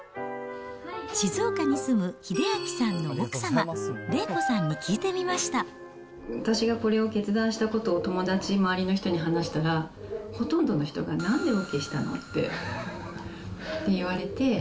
静岡に住む英明さんの奥様、私がこれを決断したことを友達、周りの人に話したら、ほとんどの人が、なんでＯＫしたの？って言われて。